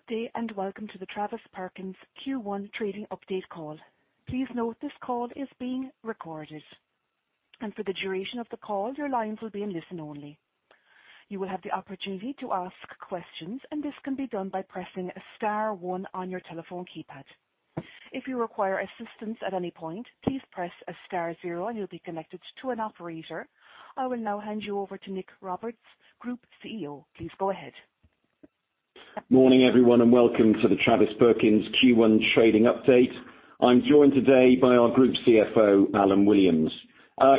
Good day, welcome to the Travis Perkins Q1 trading update call. Please note this call is being recorded, for the duration of the call, your lines will be in listen-only. You will have the opportunity to ask questions, this can be done by pressing star one on your telephone keypad. If you require assistance at any point, please press star zero, you'll be connected to an operator. I will now hand you over to Nick Roberts, Group CEO. Please go ahead. Morning, everyone, welcome to the Travis Perkins Q1 trading update. I'm joined today by our Group CFO, Alan Williams.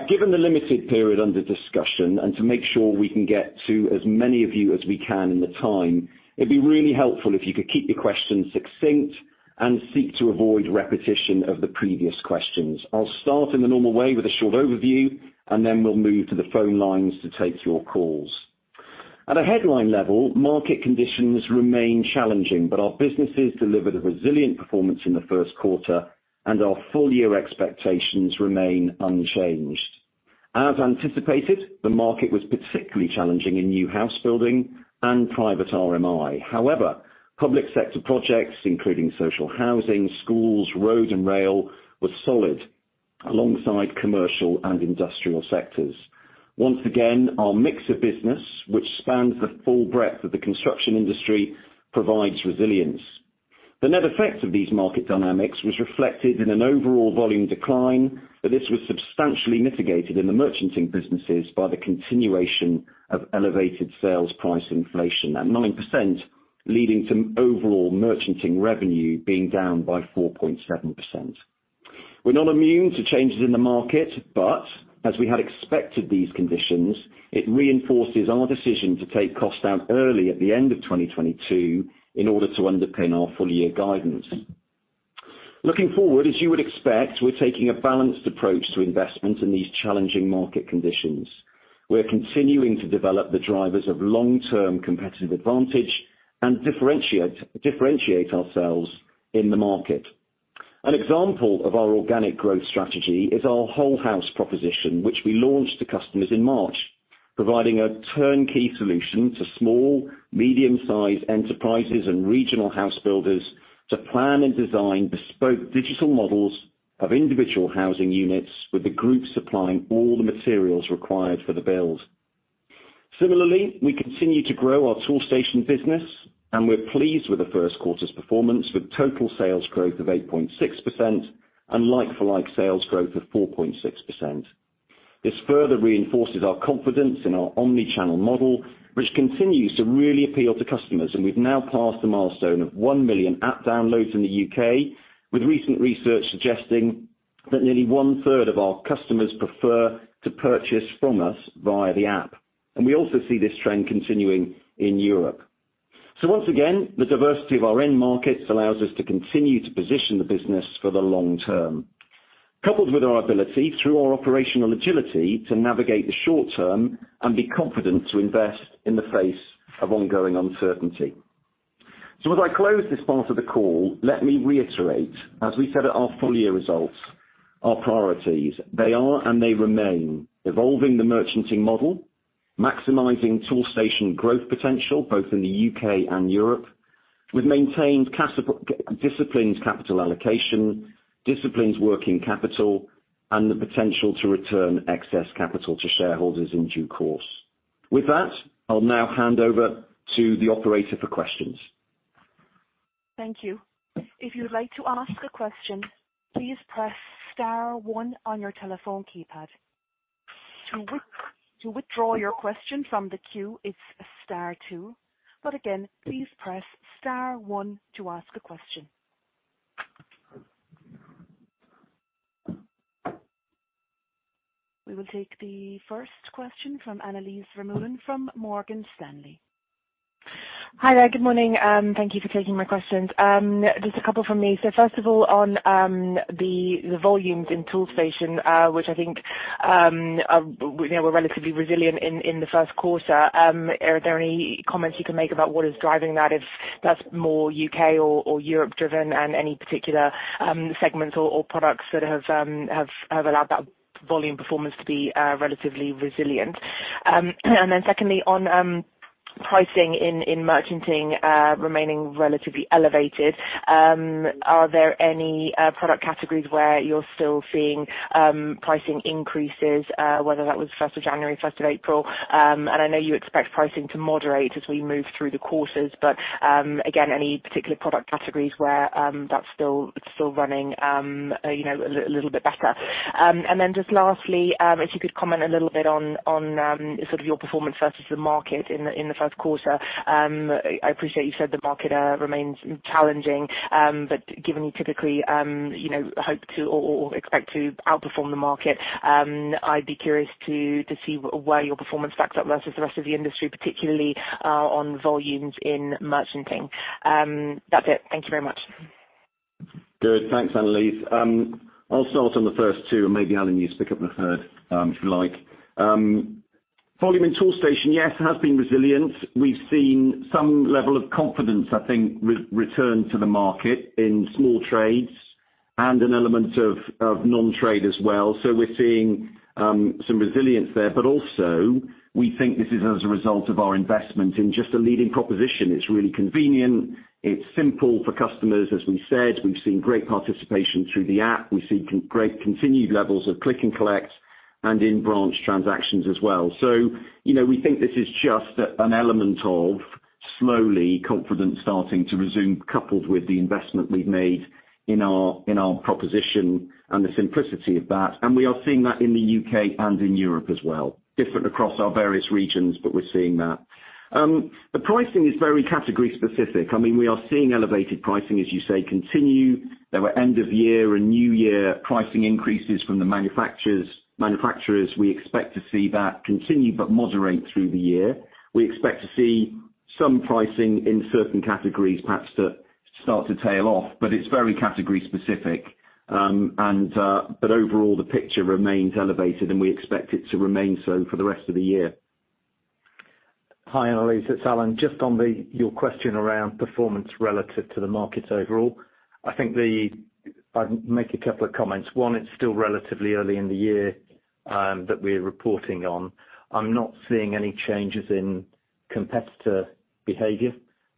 Given the limited period under discussion and to make sure we can get to as many of you as we can in the time, it'd be really helpful if you could keep your questions succinct and seek to avoid repetition of the previous questions. I'll start in the normal way with a short overview. We'll move to the phone lines to take your calls. At a headline level, market conditions remain challenging. Our businesses delivered a resilient performance in the first quarter. Our full year expectations remain unchanged. As anticipated, the market was particularly challenging in new house building and private RMI. Public sector projects, including social housing, schools, road, and rail, were solid alongside commercial and industrial sectors. Once again, our mix of business, which spans the full breadth of the construction industry, provides resilience. The net effect of these market dynamics was reflected in an overall volume decline, but this was substantially mitigated in the merchanting businesses by the continuation of elevated sales price inflation at 9%, leading to overall merchanting revenue being down by 4.7%. We're not immune to changes in the market, but as we had expected these conditions, it reinforces our decision to take costs down early at the end of 2022 in order to underpin our full year guidance. Looking forward, as you would expect, we're taking a balanced approach to investment in these challenging market conditions. We're continuing to develop the drivers of long-term competitive advantage and differentiate ourselves in the market. An example of our organic growth strategy is our Whole House proposition, which we launched to customers in March, providing a turnkey solution to small-medium-sized enterprises and regional house builders to plan and design bespoke digital models of individual housing units with the group supplying all the materials required for the build. Similarly, we continue to grow our Toolstation business. We're pleased with the first quarter's performance with total sales growth of 8.6% and like-for-like sales growth of 4.6%. This further reinforces our confidence in our omni-channel model, which continues to really appeal to customers. We've now passed the milestone of 1 million app downloads in the U.K., with recent research suggesting that nearly one-third of our customers prefer to purchase from us via the app. We also see this trend continuing in Europe. Once again, the diversity of our end markets allows us to continue to position the business for the long term, coupled with our ability through our operational agility to navigate the short term and be confident to invest in the face of ongoing uncertainty. As I close this part of the call, let me reiterate, as we said at our full year results, our priorities, they are, and they remain evolving the merchanting model, maximizing Toolstation growth potential, both in the UK and Europe, with disciplined capital allocation, disciplined working capital, and the potential to return excess capital to shareholders in due course. With that, I'll now hand over to the operator for questions. Thank you. If you'd like to ask a question, please press star one on your telephone keypad. To withdraw your question from the queue, it's star two. Again, please press star one to ask a question. We will take the first question from Annelies Vermeulen from Morgan Stanley. Hi there. Good morning, thank you for taking my questions. Just a couple from me. First of all, on the volumes in Toolstation, which I think, you know, were relatively resilient in the first quarter. Are there any comments you can make about what is driving that, if that's more UK or Europe driven and any particular segments or products that have allowed that volume performance to be relatively resilient? Secondly, on pricing in merchanting, remaining relatively elevated, are there any product categories where you're still seeing pricing increases, whether that was first of January, first of April? I know you expect pricing to moderate as we move through the quarters, but again, any particular product categories where that's still running, you know, a little bit better. Just lastly, if you could comment a little bit on sort of your performance versus the market in the first quarter. I appreciate you said the market remains challenging, given you typically, you know, hope to or expect to outperform the market, I'd be curious to see where your performance stacks up versus the rest of the industry, particularly on volumes in merchanting. That's it. Thank you very much. Good. Thanks, Annelies. I'll start on the first two, and maybe, Alan, you pick up the third, if you like. Volume in Toolstation, yes, has been resilient. We've seen some level of confidence, I think re-return to the market in small trades. An element of non-trade as well. We're seeing some resilience there, but also we think this is as a result of our investment in just a leading proposition. It's really convenient. It's simple for customers. As we said, we've seen great participation through the app. We've seen great continued levels of click and collect and in-branch transactions as well. You know, we think this is just an element of slowly confidence starting to resume, coupled with the investment we've made in our proposition and the simplicity of that. We are seeing that in the U.K. and in Europe as well. Different across our various regions, but we're seeing that. The pricing is very category specific. I mean, we are seeing elevated pricing, as you say, continue. There were end of year and new year pricing increases from the manufacturers. We expect to see that continue but moderate through the year. We expect to see some pricing in certain categories, perhaps to start to tail off, but it's very category specific. Overall, the picture remains elevated, and we expect it to remain so for the rest of the year. Hi, Analise. It's Alan. Just on your question around performance relative to the market overall. I think I'll make a couple of comments. One, it's still relatively early in the year that we're reporting on. I'm not seeing any changes in competitor behavior,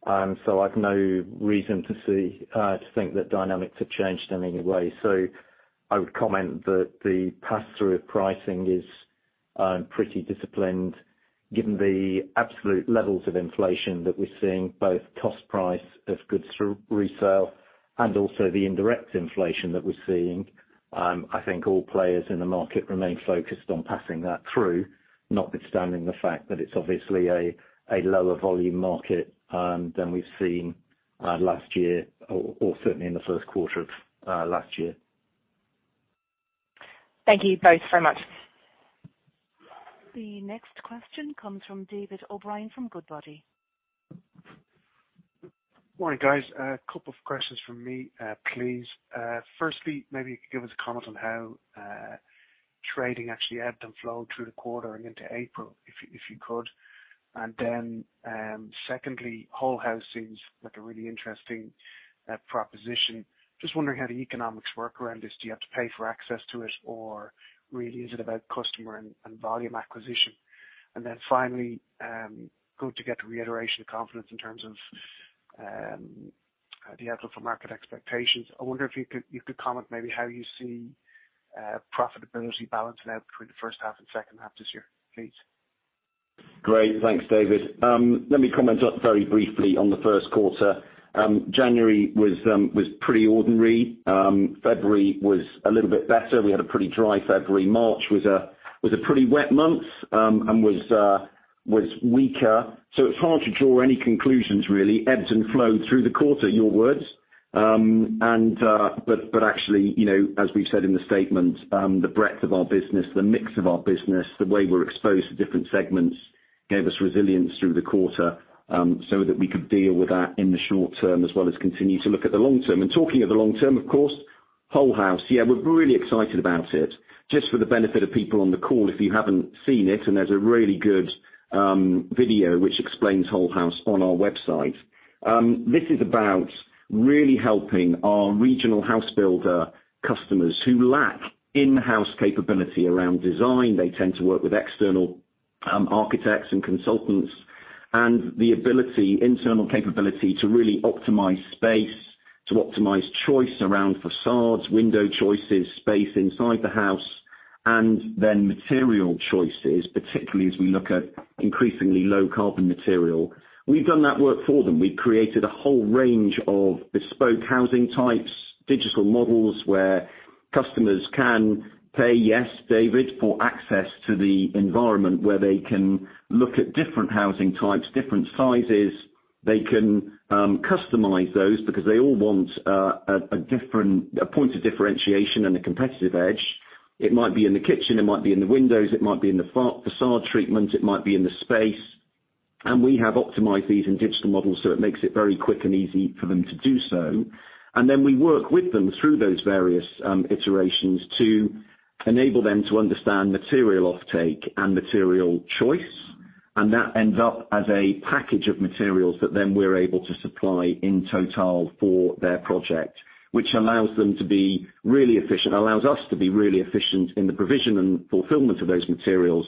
so I've no reason to see to think that dynamics have changed in any way. I would comment that the pass-through pricing is pretty disciplined given the absolute levels of inflation that we're seeing, both cost price of goods through resale and also the indirect inflation that we're seeing. I think all players in the market remain focused on passing that through, notwithstanding the fact that it's obviously a lower volume market than we've seen last year or certainly in the first quarter of last year. Thank you both very much. The next question comes from David O'Brien from Goodbody. Morning, guys. A couple of questions from me, please. Firstly, maybe you could give us a comment on how trading actually ebbed and flowed through the quarter and into April, if you could. Secondly, Whole House seems like a really interesting proposition. Just wondering how the economics work around this. Do you have to pay for access to it, or really is it about customer and volume acquisition? Finally, good to get the reiteration of confidence in terms of the outlook for market expectations. I wonder if you could comment maybe how you see profitability balancing out between the first half and second half this year, please. Great. Thanks, David. Let me comment up very briefly on the first quarter. January was pretty ordinary. February was a little bit better. We had a pretty dry February. March was a pretty wet month, and was weaker. It's hard to draw any conclusions, really. Ebbed and flowed through the quarter, your words. Actually, you know, as we've said in the statement, the breadth of our business, the mix of our business, the way we're exposed to different segments gave us resilience through the quarter so that we could deal with that in the short term as well as continue to look at the long term. Talking of the long term, of course, Whole House. Yeah, we're really excited about it. Just for the benefit of people on the call, if you haven't seen it, there's a really good video which explains Whole House on our website. This is about really helping our regional house builder customers who lack in-house capability around design. They tend to work with external architects and consultants, the ability, internal capability to really optimize space, to optimize choice around facades, window choices, space inside the house, and then material choices, particularly as we look at increasingly low carbon material. We've done that work for them. We've created a whole range of bespoke housing types, digital models where customers can pay, yes, David, for access to the environment where they can look at different housing types, different sizes. They can customize those because they all want a different point of differentiation and a competitive edge. It might be in the kitchen, it might be in the windows, it might be in the facade treatment, it might be in the space. We have optimized these in digital models, so it makes it very quick and easy for them to do so. Then we work with them through those various iterations to enable them to understand material offtake and material choice. That ends up as a package of materials that then we're able to supply in total for their project, which allows them to be really efficient, allows us to be really efficient in the provision and fulfillment of those materials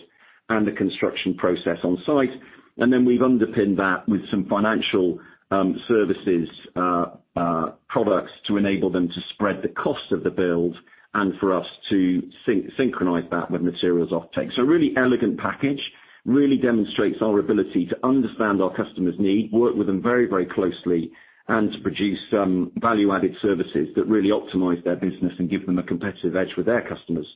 and the construction process on site. Then we've underpinned that with some financial services products to enable them to spread the cost of the build and for us to synchronize that with materials offtake. A really elegant package, really demonstrates our ability to understand our customers' need, work with them very, very closely, and to produce some value-added services that really optimize their business and give them a competitive edge with their customers.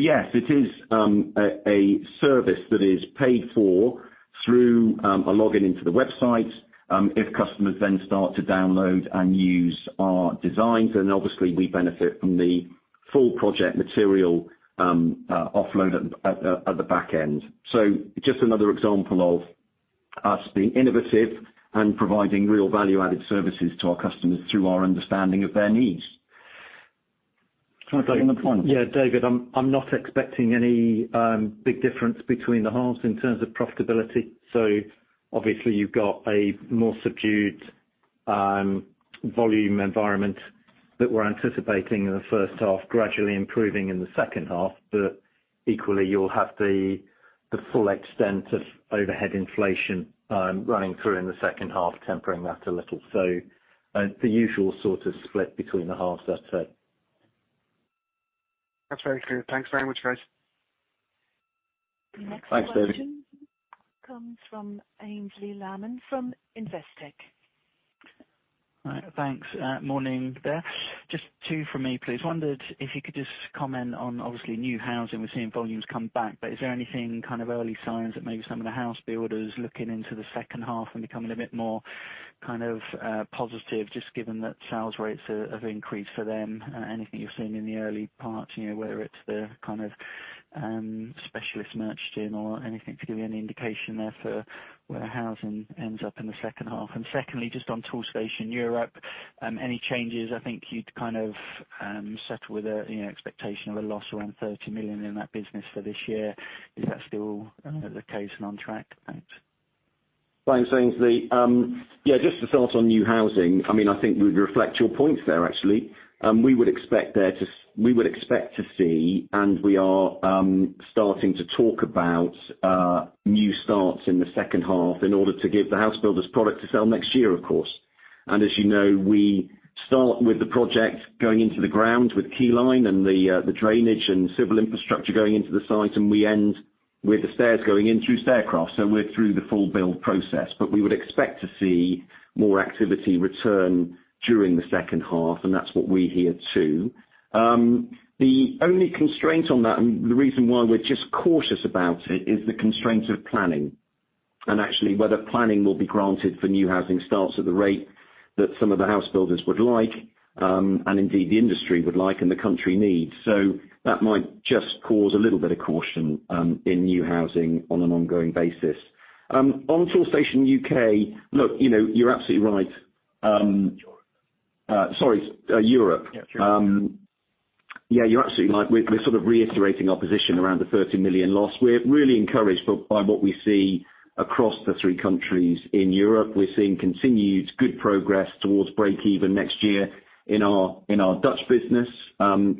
Yes, it is a service that is paid for through a login into the website. If customers then start to download and use our designs, then obviously we benefit from the full project material offload at the, at the, at the back end. Just another example of us being innovative and providing real value-added services to our customers through our understanding of their needs. Yeah, David, I'm not expecting any big difference between the halves in terms of profitability. Obviously you've got a more subdued volume environment that we're anticipating in the first half gradually improving in the second half. Equally you'll have the full extent of overhead inflation running through in the second half tempering that a little. The usual sort of split between the halves, that's it. That's very clear. Thanks very much, guys. Thanks, David. The next question comes from Aynsley Lammin from Investec. Thanks. Morning there. Just two from me, please. Wondered if you could just comment on, obviously, new housing. We're seeing volumes come back, but is there anything kind of early signs that maybe some of the house builders looking into the second half and becoming a bit more kind of positive just given that sales rates have increased for them? Anything you're seeing in the early part, you know, whether it's the kind of specialist merchanting or anything to give you any indication there for where housing ends up in the second half. Secondly, just on Toolstation Europe, any changes? I think you'd kind of settle with a, you know, expectation of a loss around 30 million in that business for this year. Is that still the case and on track? Thanks. Thanks, Ainsley. Yeah, just to start on new housing. I mean, I think we reflect your points there actually. We would expect to see, and we are, starting to talk about new starts in the second half in order to give the house builders product to sell next year, of course. As you know, we start with the project going into the ground with Keyline and the drainage and civil infrastructure going into the site, and we end with the stairs going in through Staircraft, so we're through the full build process. We would expect to see more activity return during the second half, and that's what we hear too. The only constraint on that and the reason why we're just cautious about it is the constraint of planning and actually whether planning will be granted for new housing starts at the rate that some of the house builders would like, and indeed the industry would like and the country needs. That might just cause a little bit of caution in new housing on an ongoing basis. On Toolstation UK, look, you know, you're absolutely right. Europe. Sorry, Europe. Yeah, sure. Yeah, you're absolutely right. We're sort of reiterating our position around the 30 million loss. We're really encouraged by what we see across the three countries in Europe. We're seeing continued good progress towards break even next year in our Dutch business.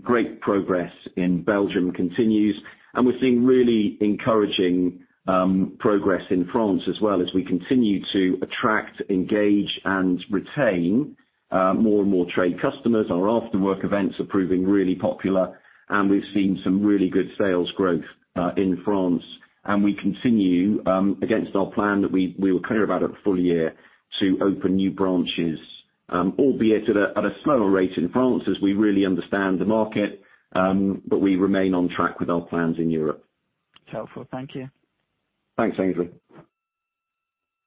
Great progress in Belgium continues, and we're seeing really encouraging progress in France as well as we continue to attract, engage, and retain more and more trade customers. Our after-work events are proving really popular, and we've seen some really good sales growth in France. We continue against our plan that we were clear about at the full year to open new branches, albeit at a slower rate in France as we really understand the market, but we remain on track with our plans in Europe. Helpful. Thank you. Thanks, Aynsley.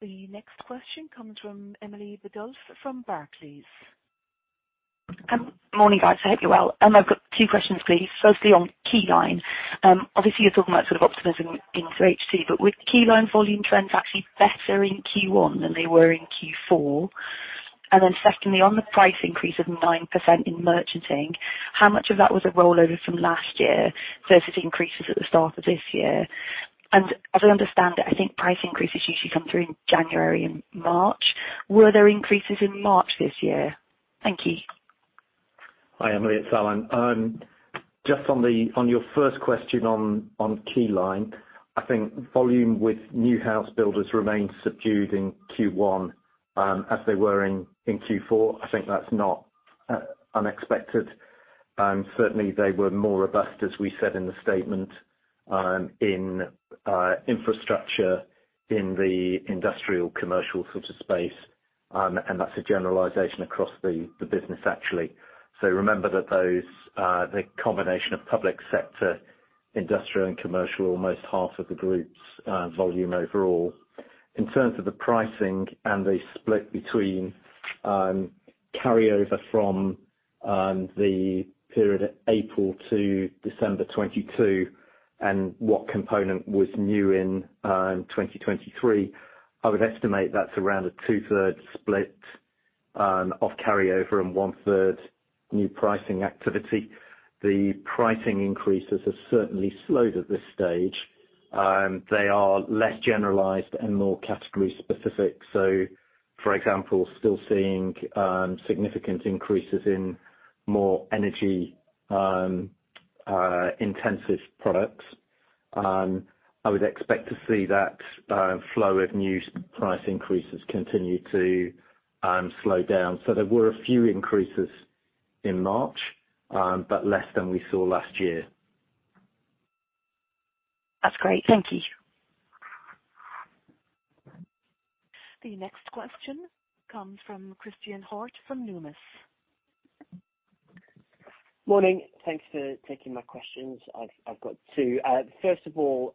The next question comes from Emily Bssom from Barclays. Morning, guys. I hope you're well. I've got 2 questions, please. Firstly, on Keyline. Obviously you're talking about sort of optimism in for H2, but with Keyline volume trends actually better in Q1 than they were in Q4. Then secondly, on the price increase of 9% in merchanting, how much of that was a rollover from last year versus increases at the start of this year? As I understand it, I think price increases usually come through in January and March. Were there increases in March this year? Thank you. Hi, Emily. It's Alan. Just on your first question on Keyline, I think volume with new house builders remained subdued in Q1, as they were in Q4. I think that's not unexpected. Certainly they were more robust, as we said in the statement, in infrastructure in the industrial commercial sort of space. That's a generalization across the business, actually. Remember that those, the combination of public sector, industrial and commercial are almost half of the group's volume overall. In terms of the pricing and the split between carryover from the period April to December 2022 and what component was new in 2023, I would estimate that's around a two-thirds split of carryover and one-third new pricing activity. The pricing increases have certainly slowed at this stage. They are less generalized and more category specific. For example, still seeing significant increases in more energy intensive products. I would expect to see that flow of new price increases continue to slow down. There were a few increases in March, but less than we saw last year. That's great. Thank you. The next question comes from Christen Hjorth from Numis. Morning. Thanks for taking my questions. I've got two. First of all,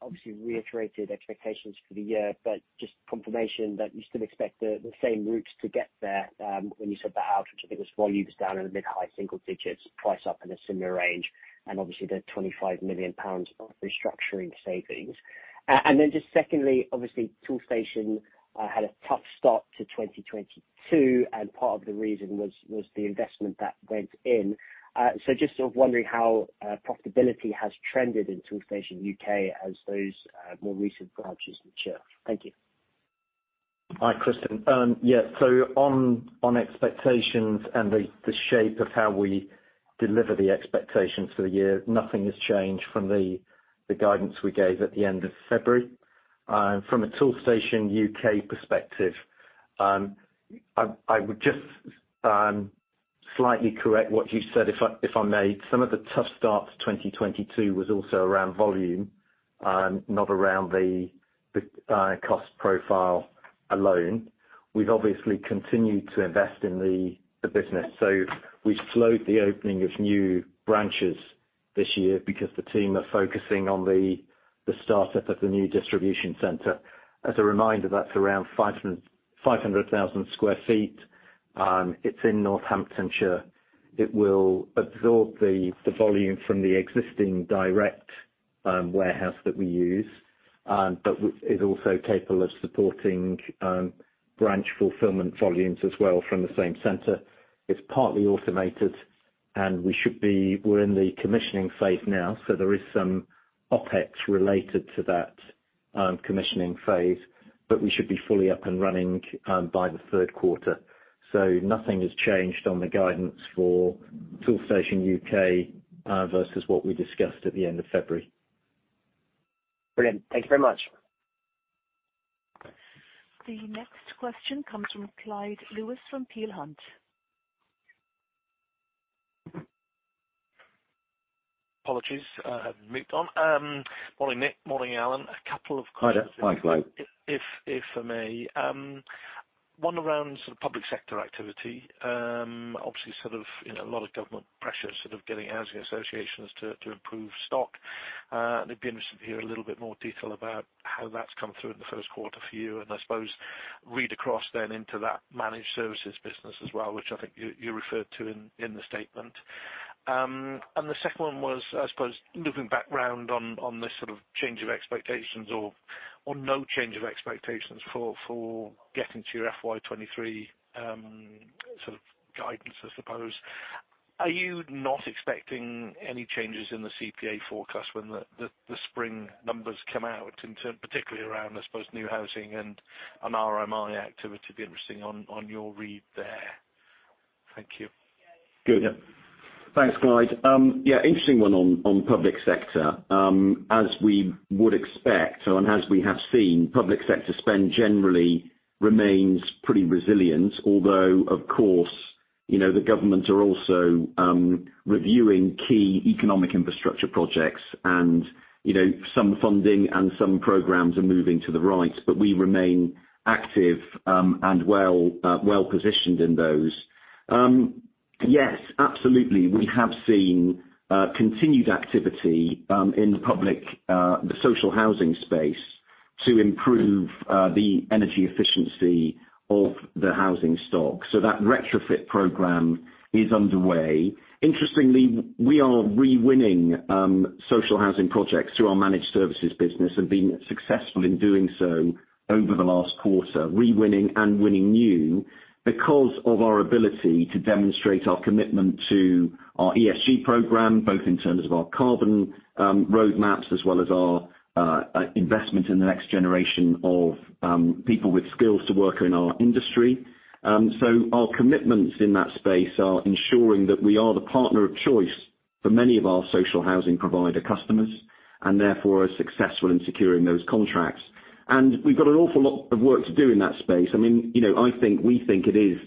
obviously reiterated expectations for the year, but just confirmation that you still expect the same routes to get there, when you said the house, which I think was volumes down in the mid-high single digits, price up in a similar range, and obviously the 25 million pounds of restructuring savings. Then just secondly, obviously Toolstation had a tough start to 2022, and part of the reason was the investment that went in. So just sort of wondering how profitability has trended in Toolstation UK as those more recent branches mature. Thank you. Hi, Christen. On expectations and the shape of how we deliver the expectations for the year, nothing has changed from the guidance we gave at the end of February. From a Toolstation UK perspective, I would just slightly correct what you said if I may. Some of the tough starts 2022 was also around volume, not around the cost profile alone. We've obviously continued to invest in the business. We slowed the opening of new branches this year because the team are focusing on the startup of the new distribution center. As a reminder, that's around 500,000 sq ft. It's in Northamptonshire. It will absorb the volume from the existing direct warehouse that we use, but is also capable of supporting branch fulfillment volumes as well from the same center. It's partly automated, and we're in the commissioning phase now, so there is some OpEx related to that commissioning phase, but we should be fully up and running by the third quarter. Nothing has changed on the guidance for Toolstation UK versus what we discussed at the end of February. Brilliant. Thank you very much. The next question comes from Sam Cullen from Peel Hunt. Apologies. Mute on. Morning, Nick. Morning, Alan. A couple of questions. Hi, Sam Cullen if I may. One around sort of public sector activity. Obviously sort of, you know, a lot of government pressure sort of getting housing associations to improve stock. It'd be interesting to hear a little bit more detail about how that's come through in the first quarter for you, and I suppose read across then into that managed services business as well, which I think you referred to in the statement. The second one was, I suppose looping back round on the sort of change of expectations or no change of expectations for getting to your FY 2023 sort of guidance, I suppose. Are you not expecting any changes in the CPA forecast when the spring numbers come out in term particularly around, I suppose, new housing and on RMI activity? Be interesting on your read there. Thank you. Good. Yeah. Thanks, Clyde. Yeah, interesting one on public sector. As we would expect and as we have seen, public sector spend generally remains pretty resilient. Although, of course, you know, the government are also reviewing key economic infrastructure projects and, you know, some funding and some programs are moving to the right. We remain active and well positioned in those. Yes, absolutely, we have seen continued activity in the public, the social housing space to improve the energy efficiency of the housing stock. That retrofit program is underway. Interestingly, we are re-winning social housing projects through our managed services business and been successful in doing so over the last quarter. Re-winning and winning new because of our ability to demonstrate our commitment to our ESG program, both in terms of our carbon, roadmaps as well as our investment in the next generation of people with skills to work in our industry. Our commitments in that space are ensuring that we are the partner of choice for many of our social housing provider customers and therefore are successful in securing those contracts. We've got an awful lot of work to do in that space. I mean, you know, I think, we think it is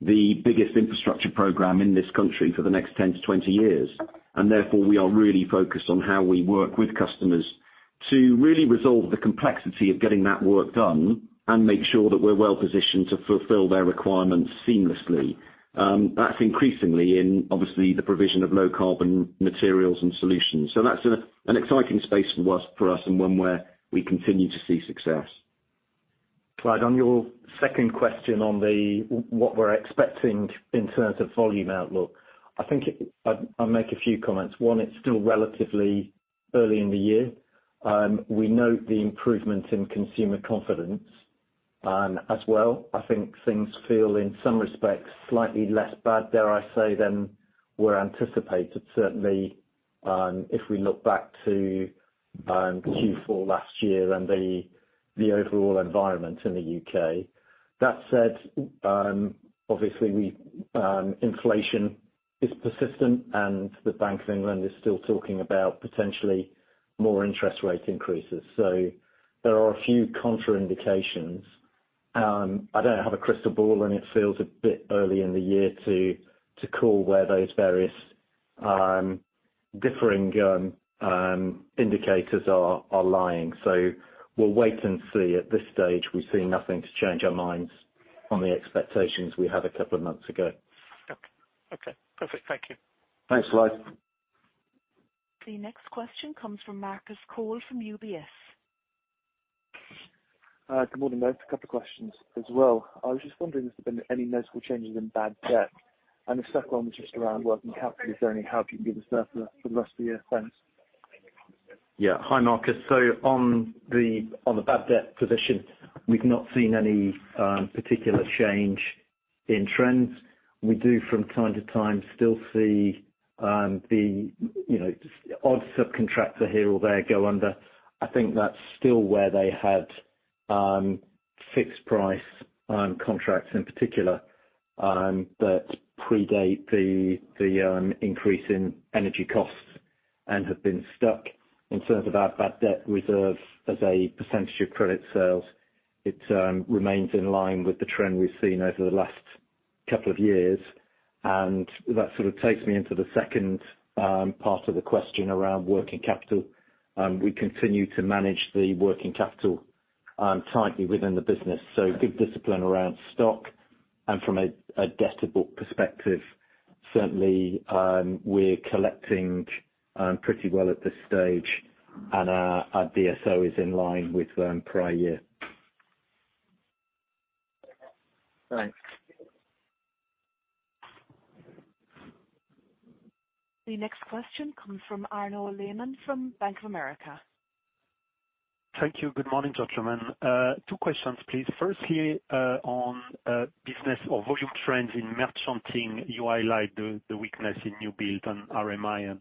the biggest infrastructure program in this country for the next 10 to 20 years. Therefore, we are really focused on how we work with customers to really resolve the complexity of getting that work done and make sure that we're well positioned to fulfill their requirements seamlessly. That's increasingly in, obviously, the provision of low carbon materials and solutions. So that's an exciting space for us, and one where we continue to see success. Clyde, on your second question on what we're expecting in terms of volume outlook, I think I'll make a few comments. One, it's still relatively early in the year. We note the improvements in consumer confidence as well. I think things feel in some respects slightly less bad, dare I say, than were anticipated, certainly, if we look back to Q4 last year and the overall environment in the U.K. That said, obviously we, inflation is persistent and the Bank of England is still talking about potentially more interest rate increases. There are a few contraindications. I don't have a crystal ball. It feels a bit early in the year to call where those various differing indicators are lying. We'll wait and see. At this stage, we see nothing to change our minds on the expectations we had a couple of months ago. Okay. Okay, perfect. Thank you. Thanks, Clyde. The next question comes from Marcus Cole from UBS. Good morning, both. A couple questions as well. I was just wondering if there's been any noticeable changes in bad debt. The second one was just around working capital. Is there any help you can give us there for the rest of the year? Thanks. Hi, Marcus. On the bad debt position, we've not seen any particular change in trends. We do from time to time still see, you know, odd subcontractor here or there go under. I think that's still where they had fixed price contracts in particular that predate the increase in energy costs and have been stuck in terms of our bad debt reserve as a percentage of credit sales. It remains in line with the trend we've seen over the last couple of years. That sort of takes me into the second part of the question around working capital. We continue to manage the working capital tightly within the business. Big discipline around stock. From a debt to book perspective, certainly, we're collecting pretty well at this stage, and our DSO is in line with prior year. Thanks. The next question comes from Arnaud Lehmann from Bank of America. Thank you. Good morning, gentlemen. Two questions, please. Firstly, on business or volume trends in merchanting. You highlight the weakness in new build and RMI and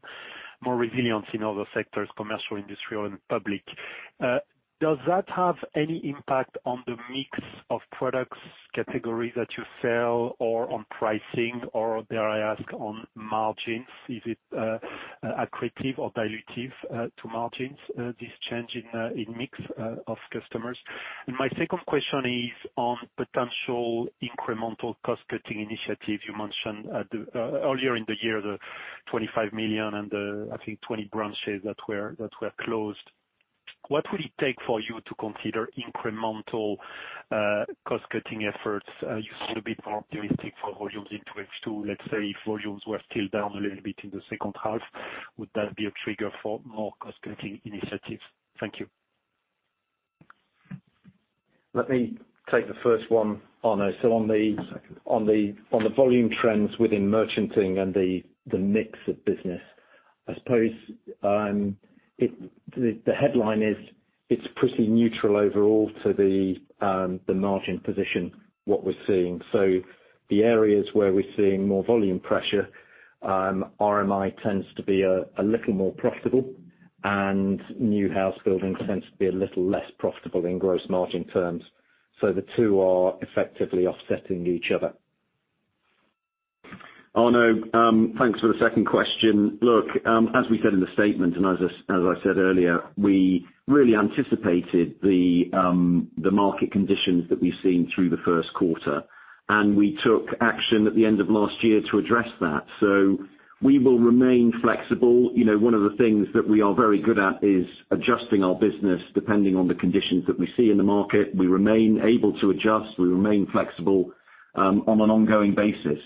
more resilience in other sectors, commercial, industrial, and public. Does that have any impact on the mix of products category that you sell or on pricing or dare I ask, on margins? Is it accretive or dilutive to margins, this change in mix of customers? My second question is on potential incremental cost-cutting initiative. You mentioned earlier in the year, the 25 million and the, I think, 20 branches that were closed. What would it take for you to consider incremental cost-cutting efforts? You sound a bit more optimistic for volumes in 2022. Let's say if volumes were still down a little bit in the second half, would that be a trigger for more cost-cutting initiatives? Thank you. Let me take the first one, Arno. On the volume trends within merchanting and the mix of business, I suppose, the headline is it's pretty neutral overall to the margin position, what we're seeing. The areas where we're seeing more volume pressure, RMI tends to be a little more profitable, and new house building tends to be a little less profitable in gross margin terms. The two are effectively offsetting each other. Arno, thanks for the second question. Look, as we said in the statement, and as I said earlier, we really anticipated the market conditions that we've seen through the first quarter, and we took action at the end of last year to address that. We will remain flexible. You know, one of the things that we are very good at is adjusting our business depending on the conditions that we see in the market. We remain able to adjust, we remain flexible, on an ongoing basis.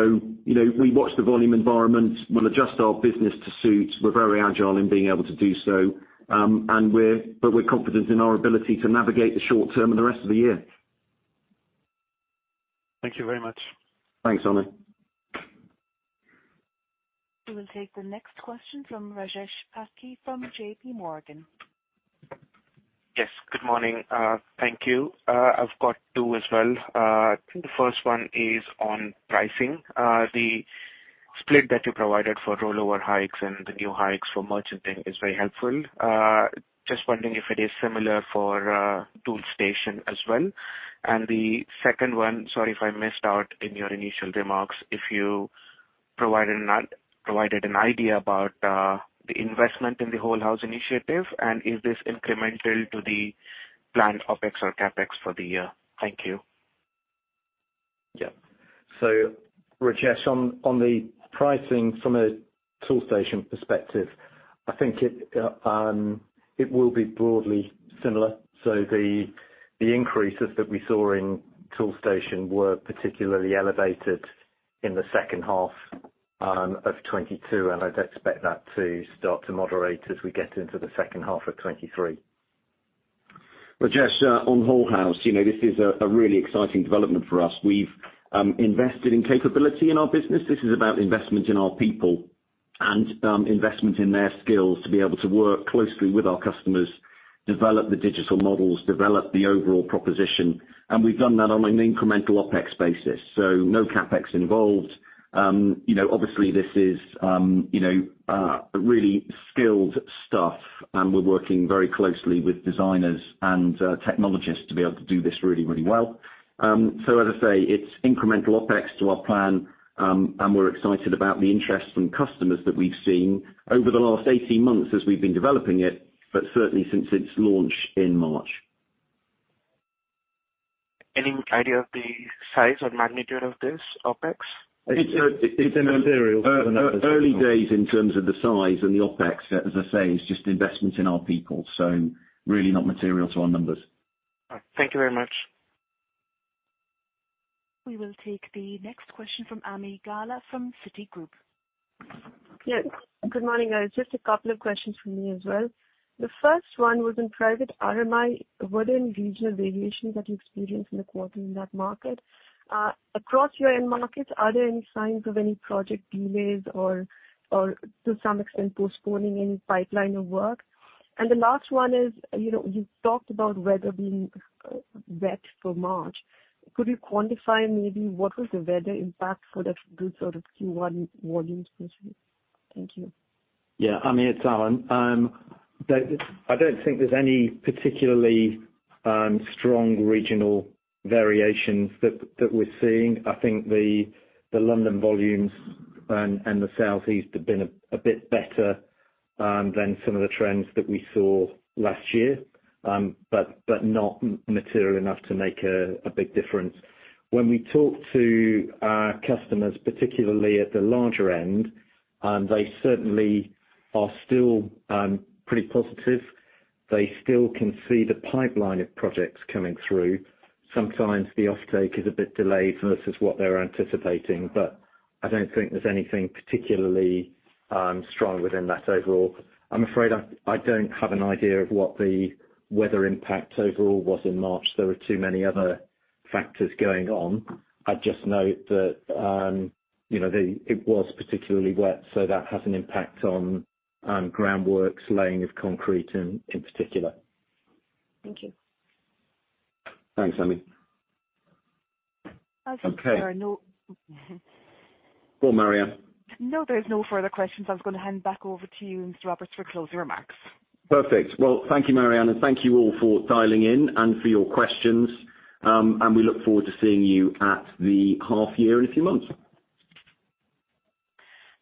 You know, we watch the volume environment. We'll adjust our business to suit. We're very agile in being able to do so, but we're confident in our ability to navigate the short term and the rest of the year. Thank you very much. Thanks, Arno. We will take the next question from Zaim Beekawa from JP Morgan. Yes. Good morning. Thank you. I've got two as well. I think the first one is on pricing. The split that you provided for rollover hikes and the new hikes for merchanting is very helpful. Just wondering if it is similar for Toolstation as well. The second one, sorry if I missed out in your initial remarks, if you provided an idea about the investment in the Whole House initiative, and is this incremental to the plan of ex or CapEx for the year? Thank you. Yeah. Rajesh, on the pricing from a Toolstation perspective, I think it will be broadly similar. The increases that we saw in Toolstation were particularly elevated in the second half of 2022. I'd expect that to start to moderate as we get into the second half of 2023. Rajesh, on Whole House, you know, this is a really exciting development for us. We've invested in capability in our business. This is about investment in our people and investment in their skills to be able to work closely with our customers, develop the digital models, develop the overall proposition, and we've done that on an incremental OpEx basis. No CapEx involved. You know, obviously this is, you know, really skilled stuff, and we're working very closely with designers and technologists to be able to do this really, really well. As I say, it's incremental OpEx to our plan, and we're excited about the interest from customers that we've seen over the last 18 months as we've been developing it, but certainly since its launch in March. Any idea of the size or magnitude of this OpEx? It's an It's immaterial to the numbers. early days in terms of the size and the OpEx. As I say, it's just investment in our people, so really not material to our numbers. All right. Thank you very much. We will take the next question from Ami Galla from Citigroup. Yes, good morning, guys. Just 2 questions from me as well. The first one was in private RMI. Were there any regional variations that you experienced in the quarter in that market? Across your end markets, are there any signs of any project delays or to some extent postponing any pipeline of work? The last one is, you know, you talked about weather being wet for March. Could you quantify maybe what was the weather impact for the good sort of Q1 volumes this year? Thank you. Yeah. Ami, it's Alan. I don't think there's any particularly strong regional variations that we're seeing. I think the London volumes and the South East have been a bit better than some of the trends that we saw last year. Not material enough to make a big difference. When we talk to our customers, particularly at the larger end, they certainly are still pretty positive. They still can see the pipeline of projects coming through. Sometimes the offtake is a bit delayed versus what they're anticipating. I don't think there's anything particularly strong within that overall. I'm afraid I don't have an idea of what the weather impact overall was in March. There were too many other factors going on. I just know that, you know, the... it was particularly wet, so that has an impact on groundworks, laying of concrete in particular. Thank you. Thanks, Ami. As there are no Go on, Marianna. No, there's no further questions. I was gonna hand back over to you, Mr. Roberts, for closing remarks. Perfect. Well, thank you, Marianna. Thank you all for dialing in and for your questions. We look forward to seeing you at the half year in a few months.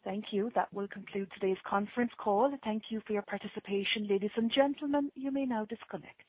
Thank you. That will conclude today's conference call. Thank you for your participation ladies and gentlemen. You may now disconnect.